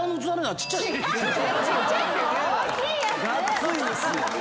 がっつりですよ。